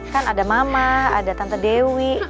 kan ada mama ada tante dewi